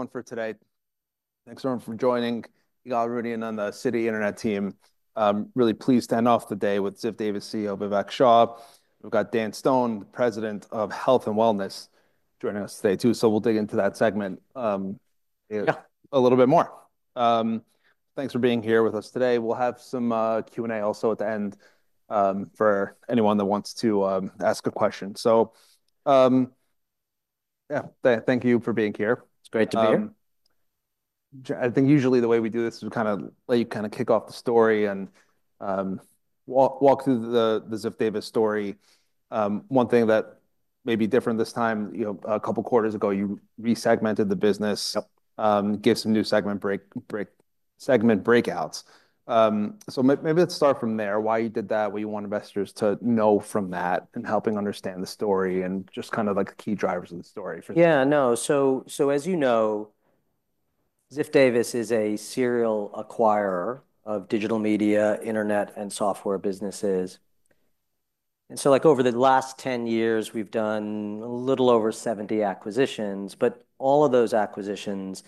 One for today. Thanks everyone for joining. You got Rudy in on the Citi Internet team. Really pleased to end off the day with Ziff Davis CEO, Vivek Shah. We've got Dan Stone, the president of health and wellness, joining us today too. So we'll dig into that segment Yeah. A little bit more. Thanks for being here with us today. We'll have some, q and a also at the end, for anyone that wants to, ask a question. So, yeah, thank you for being here. It's great to be here. I think usually the way we do this is we kinda let you kinda kick off the story and, walk walk through the the Ziff Davis story. One thing that may be different this time, you know, a couple quarters ago, you resegmented the business Yep. Give some new segment break break segment breakouts. So maybe let's start from there. Why you did that? What you want investors to know from that and helping understand the story and just kind of, like, key drivers of the story for Yeah. No. So so as you know, Ziff Davis is a serial acquirer of digital media, Internet, and software businesses. And so, like, over the last ten years, we've done a little over 70 acquisitions, but all of those acquisitions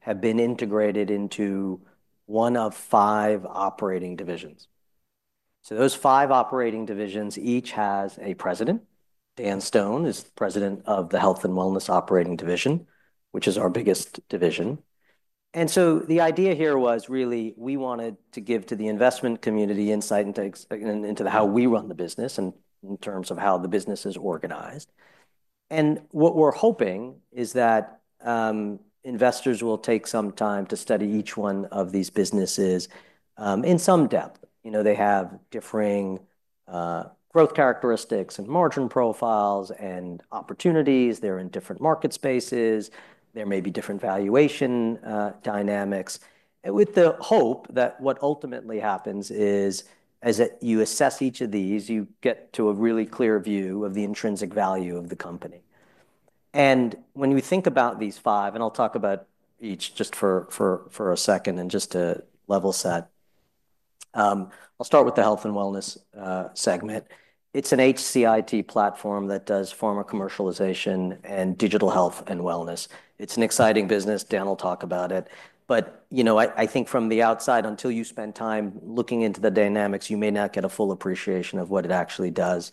have been integrated into one of five operating divisions. So those five operating divisions each has a president. Dan Stone is president of the health and wellness operating division, which is our biggest division. And so the idea here was, really, we wanted to give to the investment community insight into how we run the business and in terms of how the business is organized. And what we're hoping is that investors will take some time to study each one of these businesses in some depth. They have differing growth characteristics and margin profiles and opportunities. They're in different market spaces. There may be different valuation dynamics with the hope that what ultimately happens is as you assess each of these, you get to a really clear view of the intrinsic value of the company. And when we think about these five, and I'll talk about each just for a second and just to level set. I'll start with the health and wellness segment. It's an HCIT platform that does pharma commercialization and digital health and wellness. It's an exciting business, Dan will talk about it. But I think from the outside until you spend time looking into the dynamics, you may not get a full appreciation of what it actually does.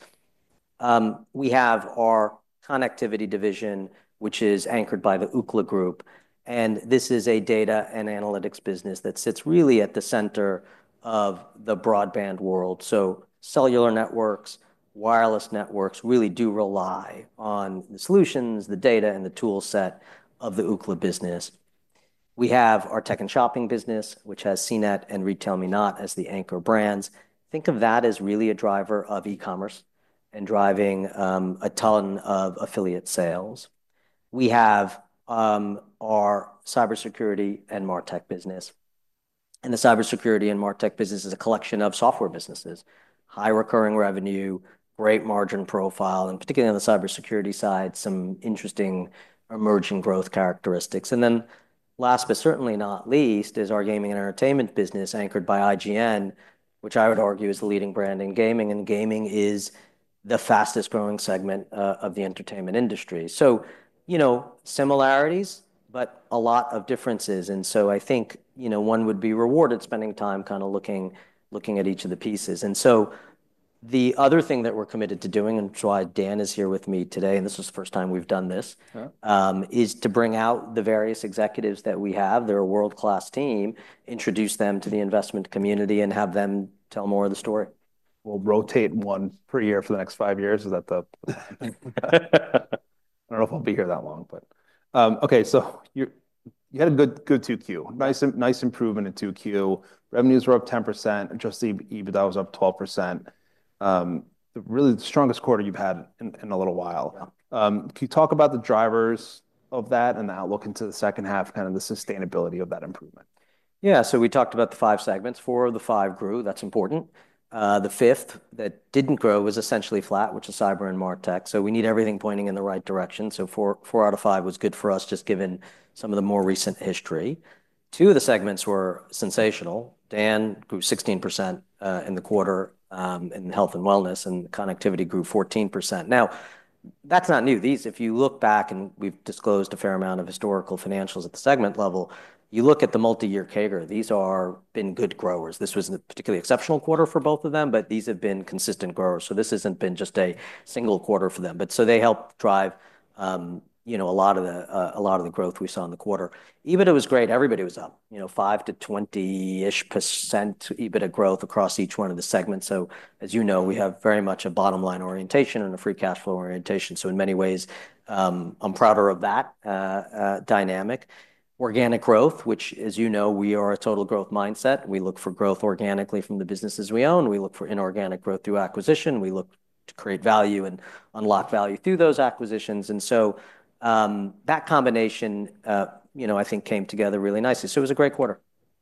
We have our connectivity division, which is anchored by the Ookla Group and this is a data and analytics business that sits really at the center of the broadband world. So cellular networks, wireless networks really do rely on the solutions, the data and the tool set of the Ookla business. We have our tech and shopping business, which has CNET and RetailMeNot as the anchor brands. Think of that as really a driver of e commerce and driving a ton of affiliate sales. We have our cybersecurity and business. And the cybersecurity and Martech business is a collection of software businesses, high recurring revenue, great margin profile, and particularly on the cyber security side, some interesting emerging growth characteristics. And then last but certainly not least is our gaming and entertainment business anchored by IGN, which I would argue is the leading brand in gaming, and gaming is the fastest growing segment of the entertainment industry. So similarities, but a lot of differences. And so I think one would be rewarded spending time kind of looking at each of the pieces. And so the other thing that we're committed to doing and that's why Dan is here with me today and this is the first time we've done this, is to bring out the various executives that we have. They're a world class team, introduce them to the investment community and have them tell more of the story. We'll rotate one per year for the next five years. Is that the I don't know if I'll be here that long, but, okay. So you had a good 2Q, nice improvement in 2Q. Revenues were up 10%, adjusted EBITDA was up 12%. Really the strongest quarter you've had in a little while. Can you talk about the drivers of that and the outlook into the second half, of the sustainability of that improvement? Yes. So we talked about the five segments. Four of the five grew, that's important. The fifth that didn't grow was essentially flat, which is Cyber and Martech. So we need everything pointing in the right direction. So four out of five was good for us just given some of the more recent history. Two of the segments were sensational. Dan grew 16% in the quarter in Health and Wellness, and Connectivity grew 14%. Now that's not new. These if you look back, and we've disclosed a fair amount of historical financials at the segment level, you look at the multiyear CAGR, these are been good growers. This was particularly exceptional quarter for both of them, but these have been consistent growers. So this hasn't been just a single quarter for them. But so they helped drive a lot of the growth we saw in the quarter. EBITDA was great. Everybody was 5% to 20% -ish EBITDA growth across each one of the segments. So as you know, we have very much a bottom line orientation and a free cash flow orientation. So in many ways, I'm prouder of that dynamic. Organic growth, which as you know, we are a total growth mindset. We look for growth organically from the businesses we own. We look for inorganic growth through acquisition. We look to create value and unlock value through those acquisitions. And so that combination, know, I think came together really nicely. So it was a great quarter.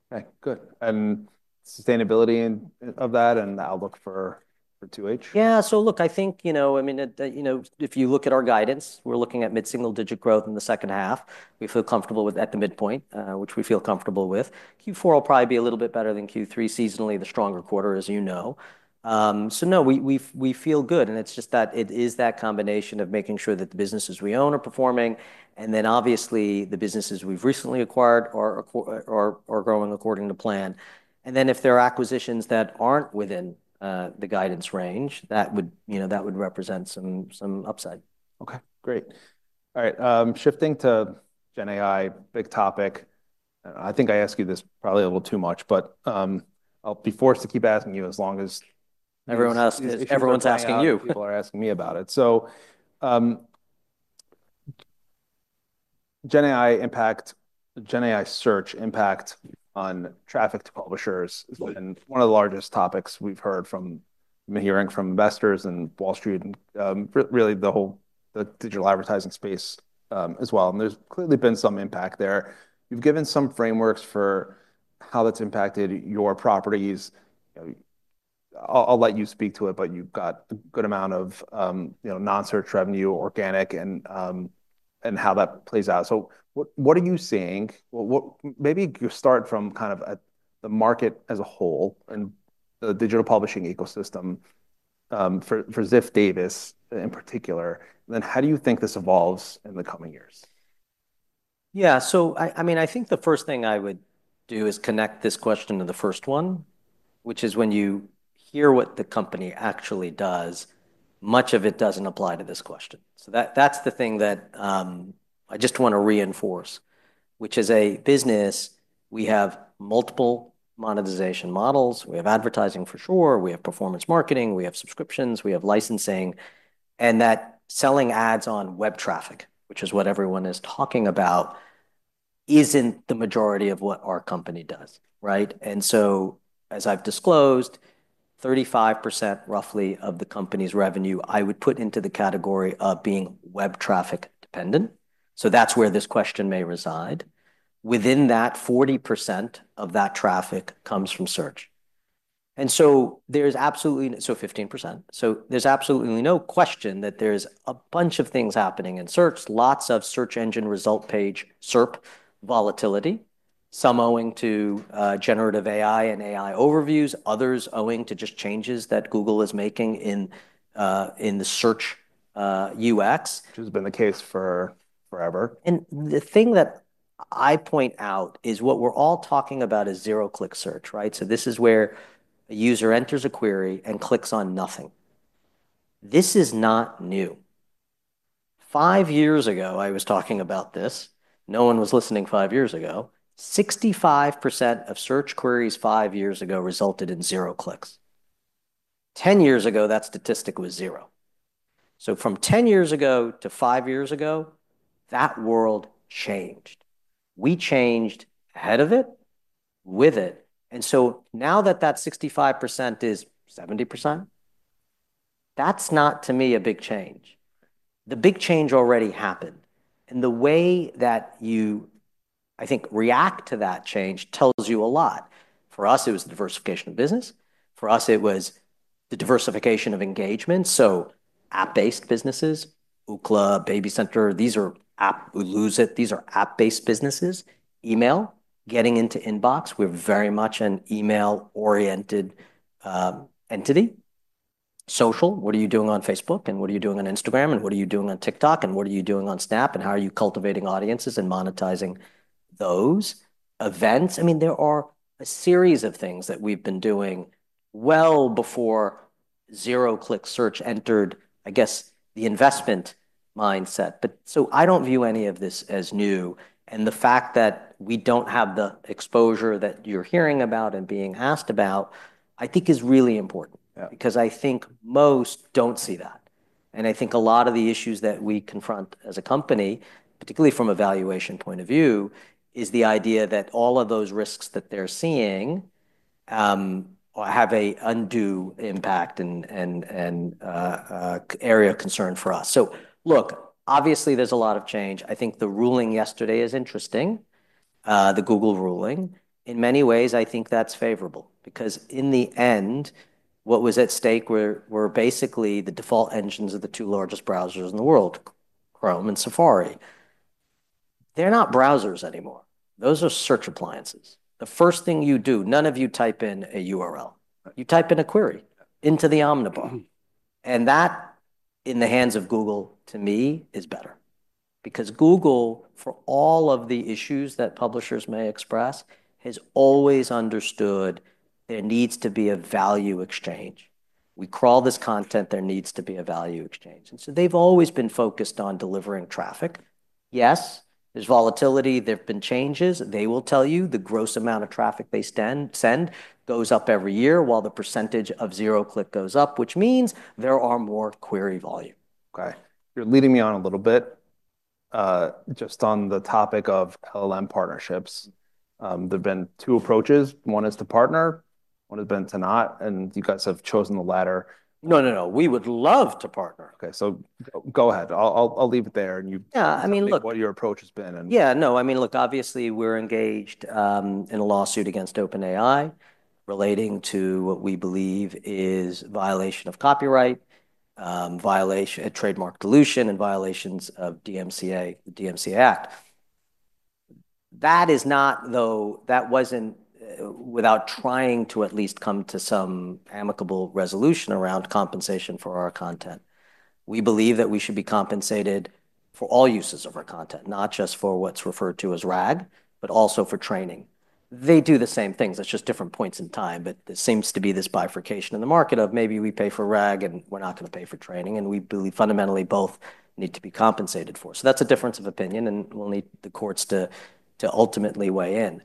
Right. Good. And sustainability of that and the outlook for for 2H? Yeah. So look, I think, you know, I mean, you know, if you look at our guidance, we're looking at mid single digit growth in the second half. We feel comfortable with at the midpoint, which we feel comfortable with. Q4 will probably be a little bit better than Q3 seasonally the stronger quarter as you know. So no, we feel good and it's just that it is that combination of making sure that the businesses we own are performing. And then obviously the businesses we've recently acquired are growing according to plan. And then if there are acquisitions that aren't within the guidance range, that represent some upside. Okay, great. Alright. Shifting to Gen AI, big topic. I think I asked you this probably a little too much, but I'll be forced to keep asking you as long as Everyone asks everyone's asking you. People are asking me about it. So, GenAI impact GenAI search impact on traffic to publishers been one of the largest topics we've heard from hearing from investors and Wall Street and, really the whole the digital advertising space, as well. And there's clearly been some impact there. You've given some frameworks for how that's impacted your properties. I'll let you speak to it, but you've got a good amount of non search revenue organic and how that plays out. So what are you seeing? Maybe you start from kind of the market as a whole and the digital publishing ecosystem, for Ziff Davis in particular. And then how do you think this evolves in the coming years? Yeah. So I mean, I think the first thing I would do is connect this question to the first one, which is when you hear what the company actually does, much of it doesn't apply to this question. So that that's the thing that, I just wanna reinforce, which is a business. We have multiple monetization models. We have advertising for sure. We have performance marketing. We have subscriptions. We have licensing. And that selling ads on web traffic, which is what everyone is talking about, isn't the majority of what our company does. And so as I've disclosed, 35% roughly of the company's revenue, I would put into the category of being web traffic dependent. So that's where this question may reside. Within that, 40% of that traffic comes from search. And so there's absolutely so 15%. So there's absolutely no question that there's a bunch of things happening in search, lots of search engine result page SERP volatility, Some owing to generative AI and AI overviews, others owing to just changes that Google is making in in the search UX. Which has been the case for forever. And the thing that I point out is what we're all talking about is zero click search. Right? So this is where a user enters a query and clicks on nothing. This is not new. Five years ago, I was talking about this. No one was listening five years ago, 65% of search queries five years ago resulted in zero clicks. Ten years ago, that statistic was zero. So from ten years ago to five years ago, that world changed. We changed ahead of it, with it. And so now that that 65% is 70%, that's not to me a big change. The big change already happened. And the way that you, I think, react to that change tells you a lot. For us, it was diversification of business. For us, it was the diversification of engagement. So app based businesses, Ookla, Baby Center, these are app we lose it. These are app based businesses. Email, getting into inbox. We're very much an email oriented entity. Social, what are you doing on Facebook and what are you doing on Instagram and what are you doing on TikTok and what are you doing on Snap and how are you cultivating audiences and monetizing those events? I mean, are a series of things that we've been doing well before zero click search entered, I guess, the investment mindset. But so I don't view any of this as new. And the fact that we don't have the exposure that you're hearing about and being asked about, I think is really important because I think most don't see that. And I think a lot of the issues that we confront as a company, particularly from a valuation point of view, is the idea that all of those risks that they're seeing have a undue impact and and and area of concern for us. So, look, obviously, there's a lot of change. I think the ruling yesterday is interesting, the Google ruling. In many ways, I think that's favorable because in the end, what was at stake were were basically the default engines of the two largest browsers in the world, Chrome and Safari. They're not browsers anymore. Those are search appliances. The first thing you do, none of you type in a URL. You type in a query into the Omnibod. And that in the hands of Google to me is better. Because Google for all of the issues that publishers may express has always understood there needs to be a value exchange. We crawl this content, there needs to be a value exchange. And so they've always been focused on delivering traffic. Yes, there's volatility, there have been changes, they will tell you the gross amount of traffic they send goes up every year while the percentage of zero click goes up, which means there are more query volume. Okay. You're leading me on a little bit just on the topic of LLM partnerships. There have been two approaches. One is to partner, one has been to not, and you guys have chosen the latter. No. No. No. We would love to partner. Okay. So go ahead. I'll I'll I'll leave it there, and you Yeah. I mean, Your approach has been and Yeah. No. I mean, look. Obviously, we're engaged in a lawsuit against OpenAI relating to what we believe is violation of copyright, violation of trademark dilution and violations of DMCA Act. That is not though, that wasn't without trying to at least come to some amicable resolution around compensation for our content. We believe that we should be compensated for all uses of our content, not just for what's referred to as RAG, but also for training. They do the same things, it's just different points in time, but there seems to be this bifurcation in the market of maybe we pay for RAG and we're not going to pay for training and we believe fundamentally both need to be compensated for. So that's a difference of opinion and we'll need the courts to ultimately weigh in.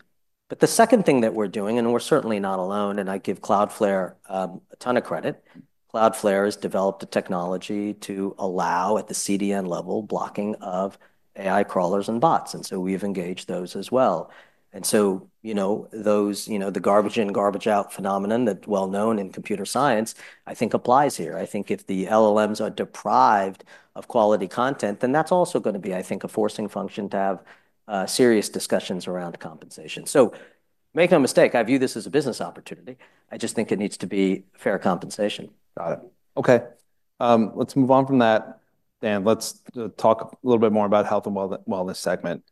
But the second thing that we're doing and we're certainly not alone and I give flare a ton of credit. Cloudflare has developed a technology to allow at the CDN level blocking of AI crawlers and bots. And so we've engaged those as well. And so those the garbage in garbage out phenomenon that's well known in computer science, I think applies here. I think if the LLMs are deprived of quality content, then that's also going to be, I think, a forcing function to have serious discussions around compensation. So no mistake, I view this as a business opportunity. I just think it needs to be fair compensation. Got it. Okay. Let's move on from that. And let's talk a little bit more about Health and Wellness segment.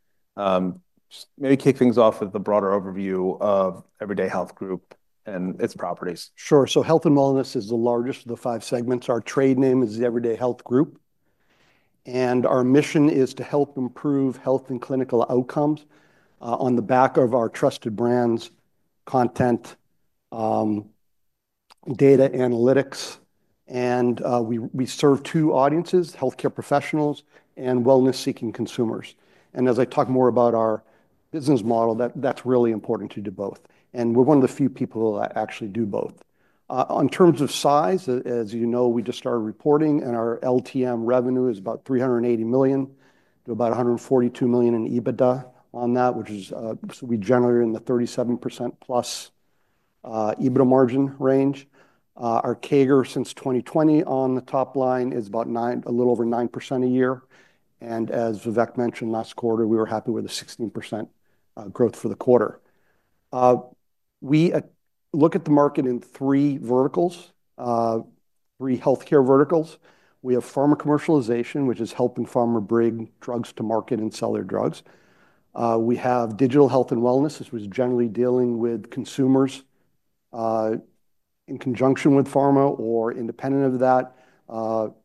Just maybe kick things off with a broader overview of Everyday Health Group and its properties. Sure. So Health and Wellness is the largest of the five segments. Our trade name is the Everyday Health Group. And our mission is to help improve health and clinical outcomes on the back of our trusted brands, content, data analytics, and we serve two audiences, healthcare professionals and wellness seeking consumers. And as I talk more about our business model, that's really important to do both. And we're one of the few people who actually do both. In terms of size, as you know, we just started reporting and our LTM revenue is about $380,000,000 to about 142,000,000 in EBITDA on that, which is we generated in the 37% plus EBITDA margin range. Our CAGR since 2020 on the top line is about nine a little over 9% a year. And as Vivek mentioned last quarter, we were happy with the 16% growth for the quarter. We look at the market in three verticals, three healthcare verticals. We have pharma commercialization, which is helping pharma bring drugs to market and sell their drugs. We have digital health and wellness, which was generally dealing with consumers in conjunction with pharma or independent of that,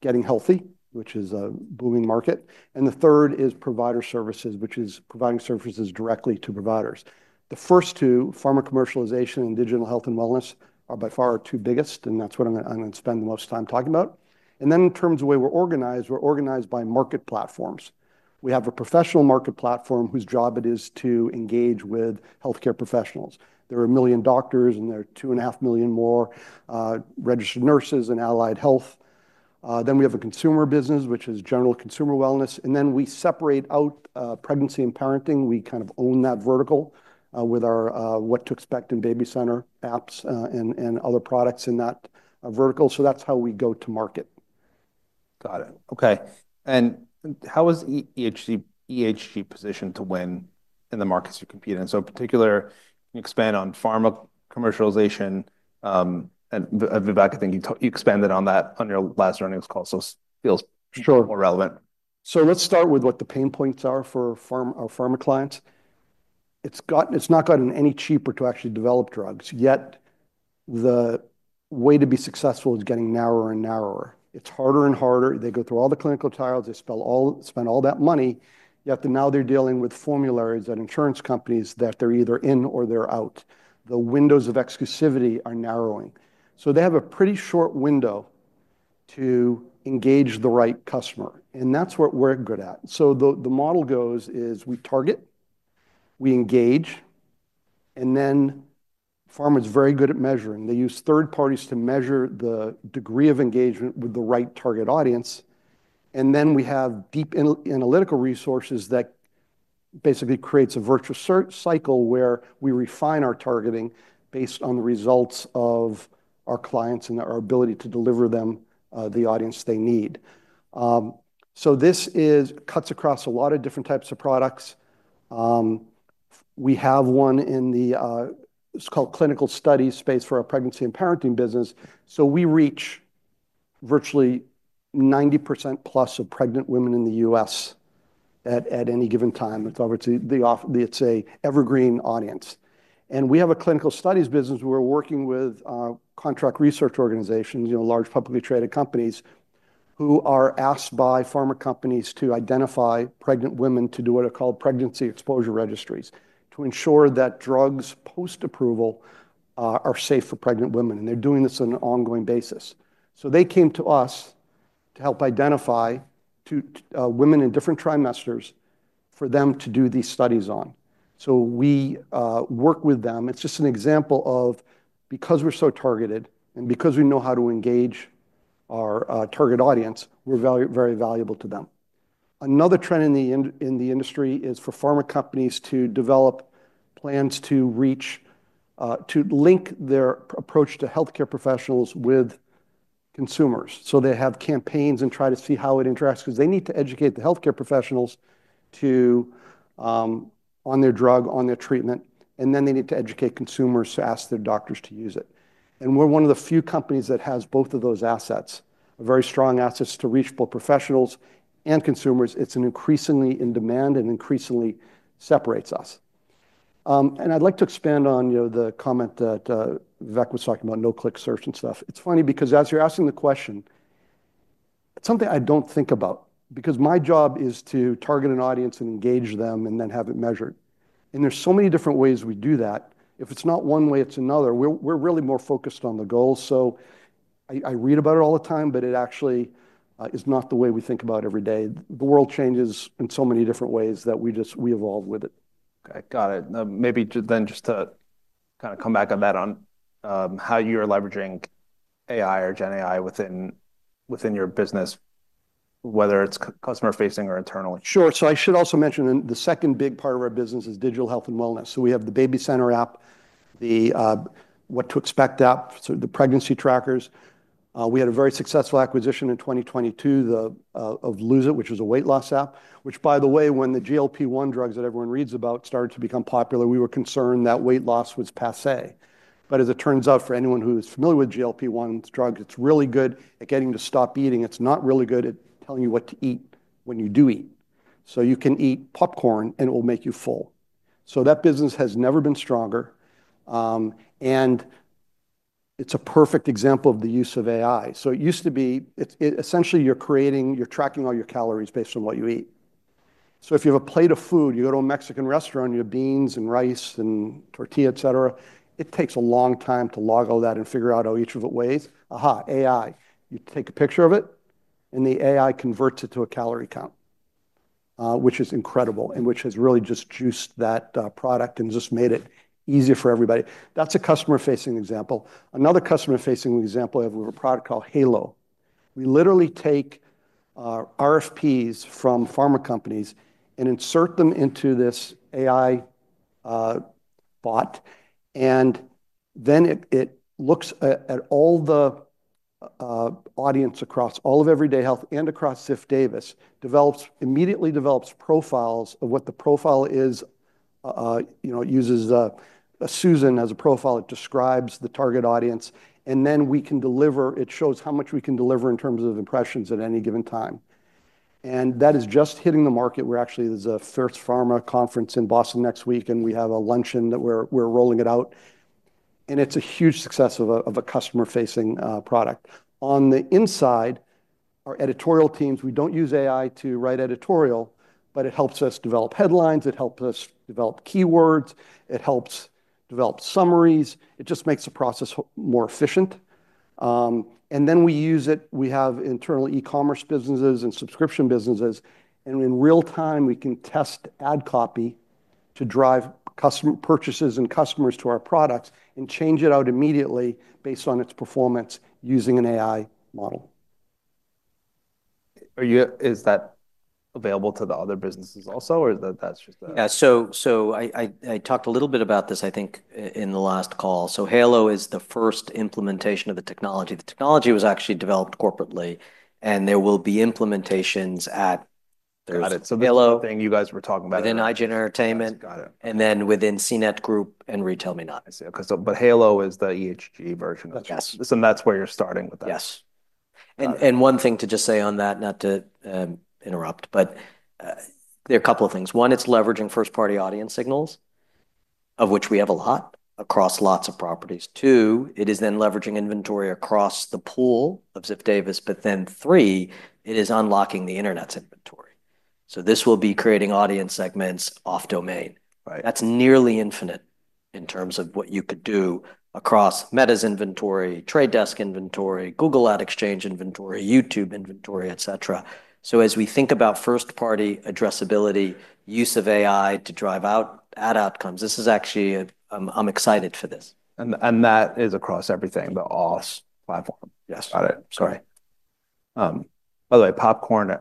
getting healthy, which is a booming market. And the third is provider services, which is providing services directly to providers. The first two, pharma commercialization and digital health and wellness, are by far our two biggest, and that's what I'm going spend the most time talking about. And then in terms of the way we're organized, we're organized by market platforms. We have a professional market platform whose job it is to engage with health care professionals. There are 1,000,000 doctors and there are 2,500,000 more registered nurses in Allied Health. Then we have a consumer business, which is general consumer wellness. And then we separate out pregnancy and parenting, we kind of own that vertical with our what to expect in baby center apps and other products in that vertical. So that's how we go to market. Got it. Okay. And how is EHG positioned to win in the markets you compete in? So in particular, expand on pharma commercialization. Vivek, I think you expanded on that on your last earnings call, so feels Sure. More So let's start with what the pain points are for our pharma clients. It's not gotten any cheaper to actually develop drugs, yet the way to be successful is getting narrower and narrower. It's harder and harder. They go through all the clinical trials. They spend all that money, yet now they're dealing with formularies at insurance companies that they're either in or they're out. The windows of exclusivity are narrowing. So they have a pretty short window to engage the right customer. And that's what we're good at. So the model goes is we target, we engage, and then pharma is very good at measuring. They use third parties to measure the degree of engagement with the right target audience. And then we have deep analytical resources that basically creates a virtuous cycle where we refine our targeting based on the results of our clients and our ability to deliver them the audience they need. So this is cuts across a lot of different types of products. We have one in the it's called clinical studies space for our pregnancy and parenting business. So we reach virtually ninety percent plus of pregnant women in The US at any given time. It's over to the it's an evergreen audience. And we have a clinical studies business, we're working with contract research organizations, know, large publicly traded companies, who are asked by pharma companies to identify pregnant women to do what are called pregnancy exposure registries, to ensure that drugs post approval are safe for pregnant women. And they're doing this on an ongoing basis. So they came to us to help identify two women in different trimesters for them to do these studies on. So we work with them. It's just an example of, because we're so targeted and because we know how to engage our target audience, we're very valuable to them. Another trend in the industry is for pharma companies to develop plans to reach, to link their approach to healthcare professionals with consumers. So they have campaigns and try to see how it interacts, because they need to educate the health care professionals to, on their drug, on their treatment, and then they need to educate consumers to ask their doctors to use it. And we're one of the few companies that has both of those assets, very strong assets to reach both professionals and consumers. It's an increasingly in demand and increasingly separates us. And I'd like to expand on the comment that Vivek was talking about, no click search and stuff. It's funny because as you're asking the question, it's something I don't think about because my job is to target an audience and engage them and then have it measured. And there's so many different ways we do that. If it's not one way, it's another. We're really more focused on the goals. So I read about it all the time, but it actually is not the way we think about every day. The world changes in so many different ways that we just we evolve with it. Okay, got it. Maybe then just to kind of come back on that on how you're leveraging AI or Gen AI within your business, whether it's customer facing or internally? Sure. So I should also mention the second big part of our business is digital health and wellness. So we have the Baby Center app, the What to Expect app, so the pregnancy trackers. We had a very successful acquisition in 2022 of Lose It, which is a weight loss app, which by the way, when the GLP-one drugs that everyone reads about started to become popular, we were concerned that weight loss was passe. But as it turns out, for anyone who is familiar with GLP-one drug, it's really good at getting to stop eating. It's not really good at telling you what to eat when you do eat. So you can eat popcorn and it will make you full. So that business has never been stronger. And it's a perfect example of the use of AI. So it used to be essentially, you're creating you're tracking all your calories based on what you eat. So if you have a plate of food, you go to a Mexican restaurant, you have beans and rice and tortilla, etcetera, it takes a long time to log all that and figure out how each of it weighs. AI. You take a picture of it and the AI converts it to a calorie count, which is incredible and which has really just juiced that product and just made it easier for everybody. That's a customer facing example. Another customer facing example I have with a product called Halo. We literally take RFPs from pharma companies and insert them into this AI bot. And then it looks at all the audience across all of Everyday Health and across Ziff Davis, develops immediately develops profiles of what the profile is, It uses Susan as a profile, it describes the target audience. And then we can deliver it shows how much we can deliver in terms of impressions at any given time. And that is just hitting the market. We're actually there's First Pharma Conference in Boston next week, and we have a luncheon that we're rolling it out. And it's a huge success of customer facing product. On the inside, our editorial teams, we don't use AI to write editorial, but it helps us develop headlines, it helps us develop keywords, it helps develop summaries, it just makes the process more efficient. And then we use it, we have internal e commerce businesses and subscription businesses. And in real time, we can test ad copy to drive customer purchases and customers to our products and change it out immediately based on its performance using an AI model. Are you is that available to the other businesses also? Or that's just a Yes. So I talked a little bit about this, I think, in the last call. So HALO is the first implementation of the technology. The technology was actually developed corporately. And there will be implementations at it. So the thing you guys were talking about Within IGN Entertainment. Got it. And then within CNET Group and RetailMeNot. I see. Okay. So but Halo is the EHG version of that. Yes. And and one thing to just say on that, not to interrupt, but there are a couple of things. One, it's leveraging first party audience signals, of which we have a lot across lots of properties. Two, it is then leveraging inventory across the pool of Ziff Davis. But then, three, it is unlocking the Internet's inventory. So this will be creating audience segments off domain. Right? That's nearly infinite in terms of what you could do across Meta's inventory, Trade Desk inventory, Google Ad Exchange inventory, YouTube inventory, etcetera. So as we think about first party addressability, use of AI to drive out ad outcomes, this is actually I'm excited for this. And and that is across everything, the OZ platform. Yes. Got it. Sorry. By the way, popcorn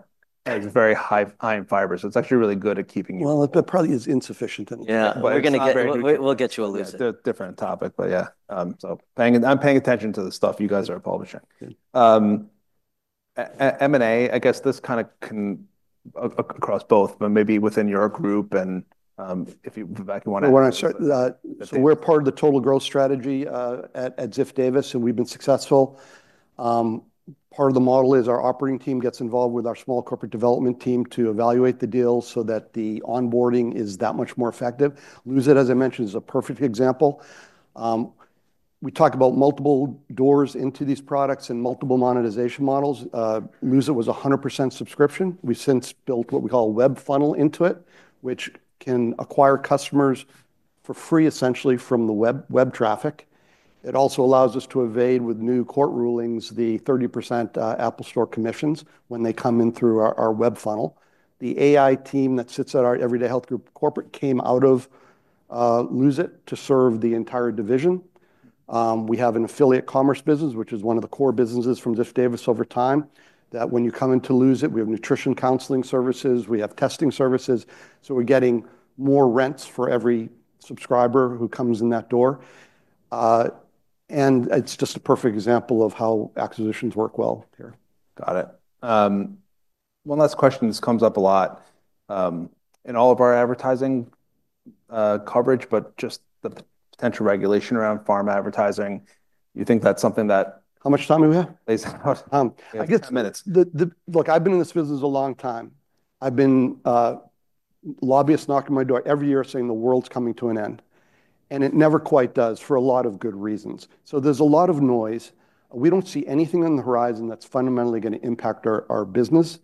is very high high in fiber, so it's actually really good at keeping you Well, it probably is insufficient in Yeah. We're gonna get we'll get you a loser. Different topic, but yeah. So paying I'm paying attention to the stuff you guys are publishing. M and A, I guess this kind of can across both, but maybe within your group and you Vivek, you want to We're part of the total growth strategy at Ziff Davis and we've been successful. Part of the model is our operating team gets involved with our small corporate development team to evaluate the deals, so that the onboarding is that much more effective. Luzit, as I mentioned, is a perfect example. We talked about multiple doors into these products and multiple monetization models. Luzit was 100% subscription. We've since built what we call a web funnel into it, which can acquire customers for free essentially from the web traffic. It also allows us to evade with new court rulings, the 30% Apple Store commissions when they come in through our web funnel. The AI team that sits at our Everyday Health Group corporate came out of Lose It to serve the entire division. We have an affiliate commerce business, which is one of the core businesses from Ziff Davis over time, that when you come into Lose It, have nutrition counseling services, we have testing services. So we're getting more rents for every subscriber who comes in that door. And it's just a perfect example of how acquisitions work well here. Got it. One last question, this comes up a lot, in all of our advertising, coverage, but just the potential regulation around pharma advertising. You think that's something that How much time do we have? I guess Look, I've been in this business a long time. I've been lobbyists knocking my door every year saying the world's coming to an end. And it never quite does for a lot of good reasons. So there's a lot of noise. We don't see anything on the horizon that's fundamentally going to impact our business.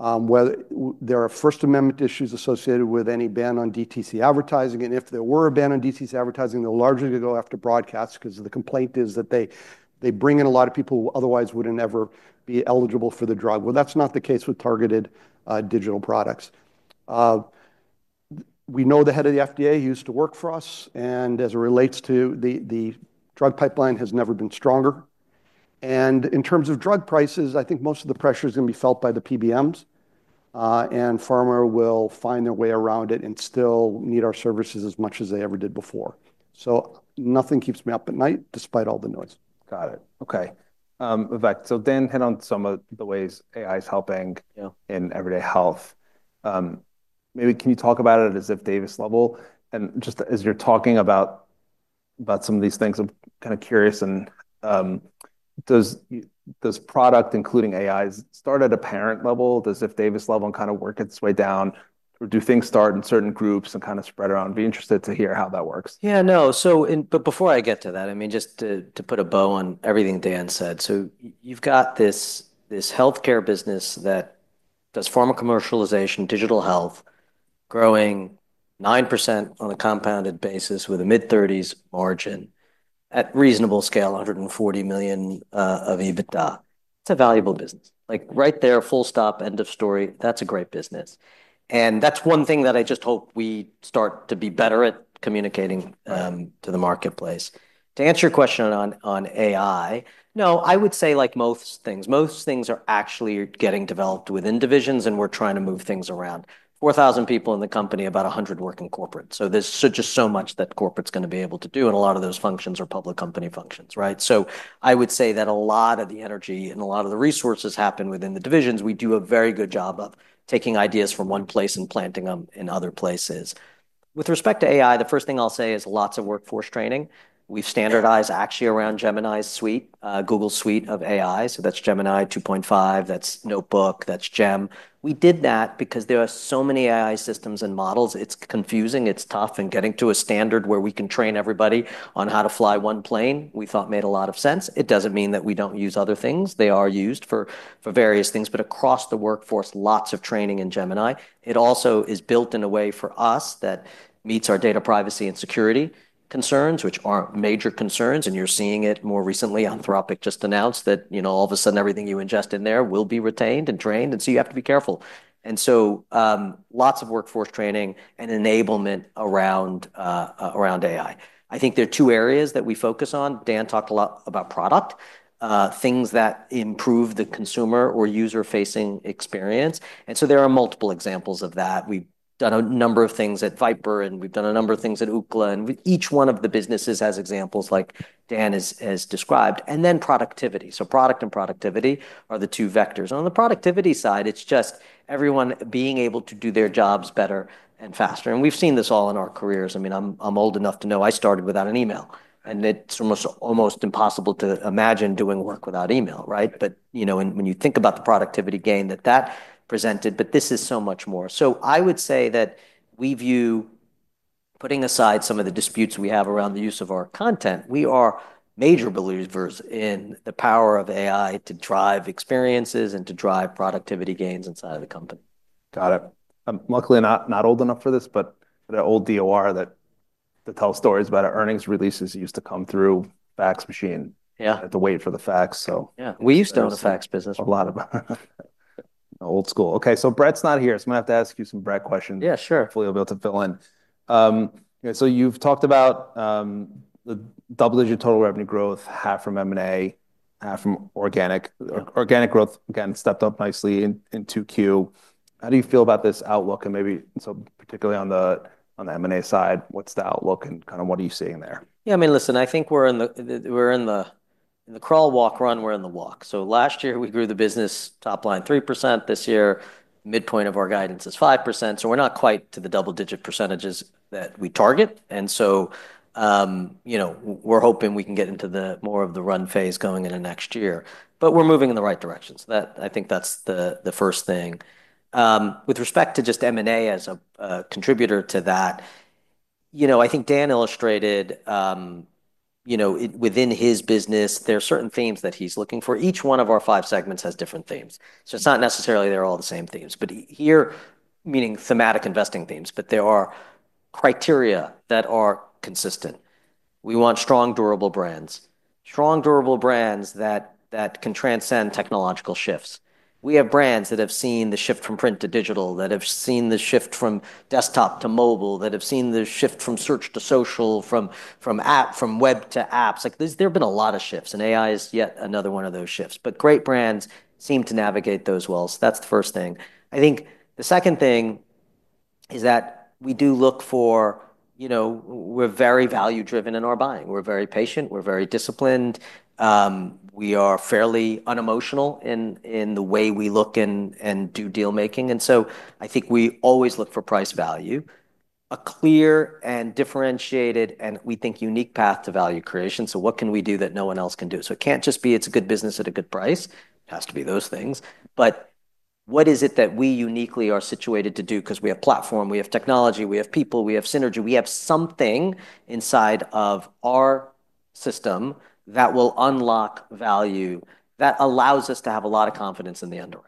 There are First Amendment issues associated with any ban on DTC advertising. And if there were a ban on DTC advertising, they're largely going go after broadcast because the complaint is that they bring in a lot of people who otherwise would never be eligible for the drug. Well, that's not the case with targeted digital products. We know the Head of the FDA used to work for us. And as it relates to the drug pipeline has never been stronger. And in terms of drug prices, I think most of the pressure is going to be felt by the PBMs, and pharma will find their way around it and still need our services as much as they ever did before. So nothing keeps me up at night despite all the noise. Got it. Okay. Vivek, so Dan hit on some of the ways AI is helping in everyday health. Maybe can you talk about it as if Davis level? And just as you're talking about about some of these things, I'm kinda curious. And does does product, including AI, start at a parent level? Does if Davis level kinda work its way down? Or do things start in certain groups and kind of spread around? I'd be interested to hear how that works. Yeah. No. So and but before I get to that, I mean, just to to put a bow on everything Dan said. So you've got this this health care business that does pharma commercialization, digital health, growing 9% on a compounded basis with a mid-30s margin at reasonable scale, 140,000,000 of EBITDA. It's a valuable business. Like, right there, full stop, end of story, that's a great business. And that's one thing that I just hope we start to be better at communicating, to the marketplace. To answer your question on on AI, no. I would say, like most things, most things are actually getting developed within divisions, and we're trying to move things around. 4,000 people in the company, about a 100 working corporate. So there's just so much that corporate's gonna be able to do, and a lot of those functions are public company functions. Right? So I would say that a lot of the energy and a lot of the resources happen within the divisions. We do a very good job of taking ideas from one place and planting them in other places. With respect to AI, the first thing I'll say is lots of workforce training. We've standardized actually around Gemini's suite, Google Suite of AI. So that's Gemini 2.5, that's Notebook, that's Gem. We did that because there are so many AI systems and models. It's confusing. It's tough. And getting to a standard where we can train everybody on how to fly one plane, we thought made a lot of sense. It doesn't mean that we don't use other things. They are used for various things, but across the workforce, lots of training in Gemini. It also is built in a way for us that meets our data privacy and security concerns, which are major concerns. And you're seeing it more recently, Anthropic just announced that all of a sudden everything you ingest in there will be retained and trained and so you have to be careful. And so lots of workforce training and enablement around AI. I think there are two areas that we focus on. Dan talked a lot about product, things that improve the consumer or user facing experience. And so there are multiple examples of that. We've done a number of things at Viper, and we've done a number of things at Ookla. And with each one of the businesses as examples like Dan has described, and then productivity. So product and productivity are the two vectors. On the productivity side, it's just everyone being able to do their jobs better and faster. And we've seen this all in our careers. I mean, I'm old enough to know I started without an email, And it's almost impossible to imagine doing work without email. But when you think about the productivity gain that that presented, but this is so much more. So I would say that we view putting aside some of the disputes we have around the use of our content, we are major believers in the power of AI to drive experiences and to drive productivity gains inside of the company. Got it. Luckily, I'm not old enough for this, but the old DOR tell stories about our earnings releases used to come through fax machine. Yeah. We have to wait for the fax. Yeah. We used to own the fax business. A lot of them. Old school. Okay. So Brett's not here. So I'm going to to ask you some Brett questions. Yeah. Sure. Hopefully, you'll be able to fill in. Yeah. So you've talked about the double digit total revenue growth, half from M and A, half from organic. Organic growth, again, stepped up nicely in 2Q. How do you feel about this outlook? Maybe so particularly M and A side, what's the outlook and kind of what are you seeing there? Yeah. I mean, listen, I think we're in the crawl walk run, we're in the walk. So last year, we grew the business top line 3%. This year, midpoint of our guidance is 5%. So we're not quite to the double digit percentages that we target. And so we're hoping we can get into the more of the run phase going into next year. But we're moving in the right direction. That I think that's the first thing. With respect to just M and A as a contributor to that, you know, I think Dan illustrated, you know, within his business, are certain themes that he's looking for. Each one of our five segments has different themes. So it's not necessarily they're all the same themes. But here, meaning thematic investing themes, but there are criteria that are consistent. We want strong durable brands. Strong durable brands that can transcend technological shifts. We have brands that have seen the shift from print to digital, that have seen the shift from desktop to mobile, that have seen the shift from search to social, from from app from web to apps. Like, there's there have been a lot of shifts, and AI is yet another one of those shifts. But great brands seem to navigate those walls. That's the first thing. I think the second thing is that we do look for we're very value driven in our buying. We're very patient. We're very disciplined. We are fairly unemotional in in the way we look and and do deal making. And so I think we always look for price value, a clear and differentiated and, we think, unique path to value creation. So what can we do that no one else can do? So it can't just be it's a good business at a good price. It has to be those things. But what is it that we uniquely are situated to do? Because we have platform. We have technology. We have people. We have synergy. We have something inside of our system that will unlock value that allows us to have a lot of confidence in the underwriting.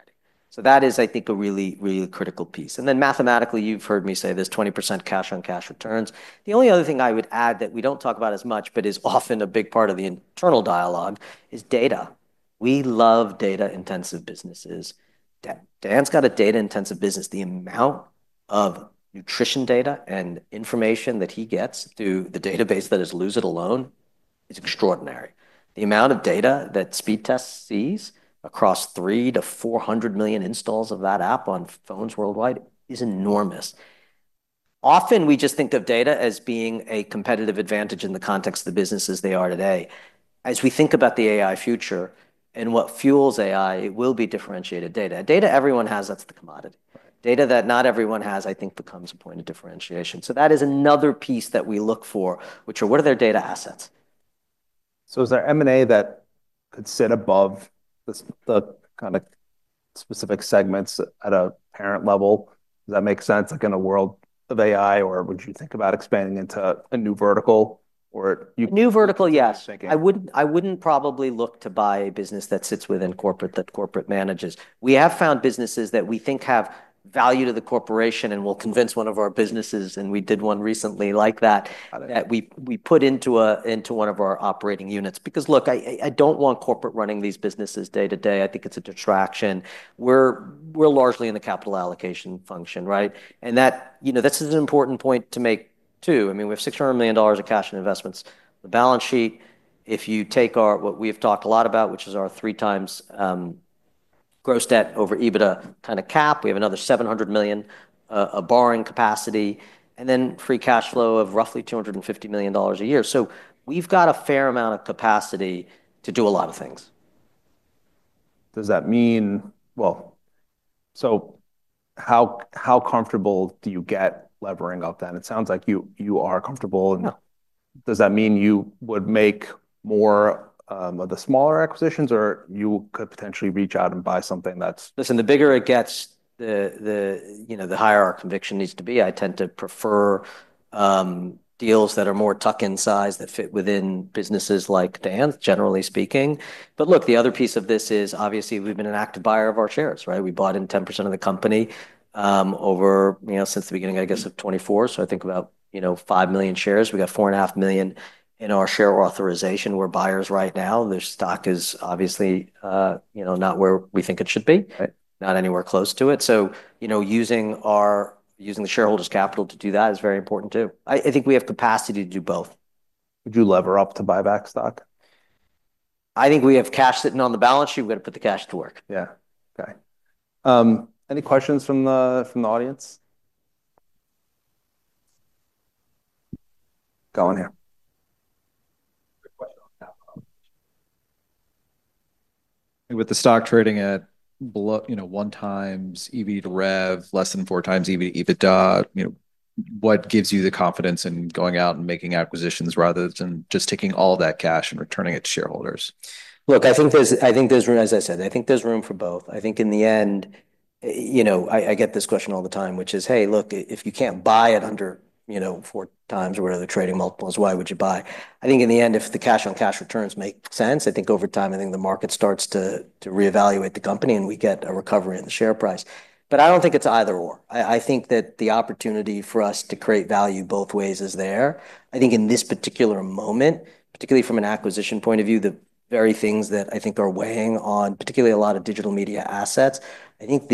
So that is, I think, a really, really critical piece. And then mathematically, you've heard me say this 20% cash on cash returns. The only other thing I would add that we don't talk about as much, but is often a big part of the internal dialogue is data. We love data intensive businesses. Dan's got a data intensive business. The amount of nutrition data and information that he gets through the database that is lose it alone extraordinary. The amount of data that Speedtest sees across three to 400,000,000 installs of that app on phones worldwide is enormous. Often, just think of data as being a competitive advantage in the context of the business as they are today. As we think about the AI future and what fuels AI, it will be differentiated data. Data everyone has, that's the commodity. Data that not everyone has, I think, becomes a point of differentiation. So that is another piece that we look for, which are what are their data assets. So is there m and a that could sit above the the kind of specific segments at a parent level? Does that make sense, like, in a world of AI? Or would you think about expanding into a new vertical? Or you New vertical, yes. Thinking. I wouldn't I wouldn't probably look to buy a business that sits within corporate that corporate manages. We have found businesses that we think have value to the corporation and will convince one of our businesses, and we did one recently like that, that we put into one of our operating units. Because, look, I don't want corporate running these businesses day to day. I think it's a detraction. We're largely in the capital allocation function, right? And that's an important point to make, too. I mean, have $600,000,000 of cash and investments. The balance sheet, if you take our what we have talked a lot about, which is our three times gross debt over EBITDA kind of cap. We have another $700,000,000 of borrowing capacity and then free cash flow of roughly $250,000,000 a year. So we've got a fair amount of capacity to do a lot of things. Does that mean well, so how comfortable do you get levering up then? Sounds like you are comfortable. Does that mean you would make more of the smaller acquisitions, or you could potentially reach out and buy something that's Listen. The bigger it gets, the the, you know, the higher our conviction needs to be. I tend to prefer deals that are more tuck in size that fit within businesses like Dan's, generally speaking. But look, the other piece of this is, obviously, we've been an active buyer of our shares. Right? We bought in 10% of the company over you know, since the beginning, I guess, of '24, so I think about, you know, 5,000,000 shares. We got 4 and a half million in our share authorization. We're buyers right now. The stock is obviously not where we think it should be, not anywhere close to it. So using our using the shareholders' capital to do that is very important too. I think we have capacity to do both. Would you lever up to buy back stock? I think we have cash sitting on the balance sheet. We're gonna put the cash to work. Yeah. K. Any questions from the from the audience? Go in here. And with the stock trading at, you know, one times EV to rev, less than four times EV to EBITDA, you know, what gives you the confidence in going out and making acquisitions rather than just taking all that cash and returning it to shareholders? Look. I think there's I think there's room as I said, I think there's room for both. I think in the end, you know, I I get this question all the time, which is, hey. Look. If you can't buy it under, you know, four times or whatever trading multiples, why would you buy? I think in the end, if the cash on cash returns make sense, I think over time, I think the market starts to to reevaluate the company and we get a recovery in the share price. But I don't think it's either or. I I think that the opportunity for us to create value both ways is there. I think in this particular moment, particularly from an acquisition point of view, the very things that I think are weighing on particularly a lot of digital media assets, I think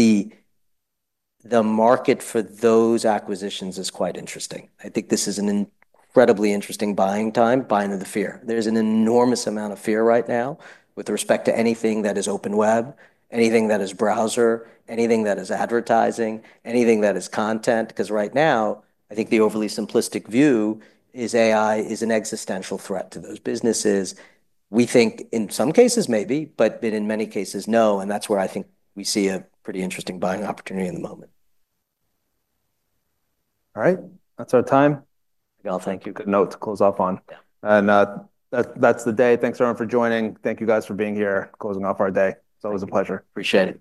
the market for those acquisitions is quite interesting. I think this is an incredibly interesting buying time, buying of the fear. There's an enormous amount of fear right now with respect to anything that is open web, anything that is browser, anything that is advertising, anything that is content. Because right now, I think the overly simplistic view is AI is an existential threat to those businesses. We think in some cases, maybe, but but in many cases, no. And that's where I think we see a pretty interesting buying opportunity in the moment. Alright. That's our time. Miguel, thank you. Good note to close off on. Yeah. And that that's the day. Thanks everyone for joining. Thank you guys for being here, closing off our day. It's always a pleasure. Appreciate it.